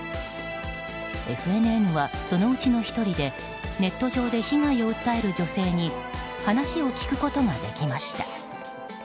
ＦＮＮはそのうちの１人でネット上で被害を訴える女性に話を聞くことができました。